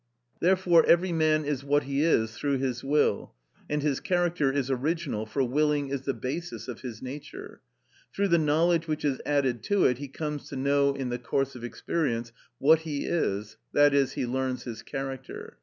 Therefore every man is what he is through his will, and his character is original, for willing is the basis of his nature. Through the knowledge which is added to it he comes to know in the course of experience what he is, i.e., he learns his character.